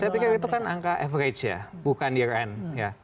saya pikir itu kan angka average ya bukan year end ya